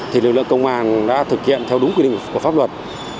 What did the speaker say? thì lực lượng công an đã thực hiện theo đúng quy định của pháp luật